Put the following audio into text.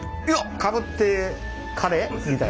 かぶってカレーみたい。